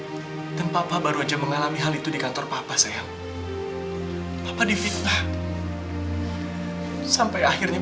mereka dan papa baru aja mengalami hal itu di kantor papa sayang apa di fitnah sampai akhirnya